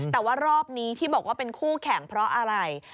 แต่ว่ารอบนี้ที่บอกว่าเป็นคู่แข่งเพราะอะไร